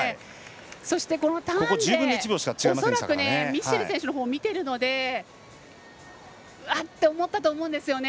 そして、ターンで恐らく、ミシェル選手のほうを見ているのであ！って思ったと思うんですよね。